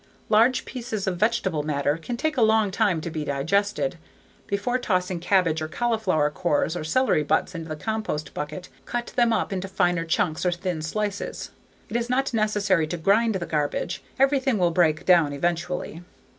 Large pieces of vegetable matter can take a long time to be digested. Before tossing cabbage or cauliflower cores or celery butts into the compost bucket, cut them up into finer chunks or thin slices. It is not necessary to grind the garbage. Everything will break down eventually.